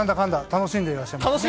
楽しんでらっしゃいますね。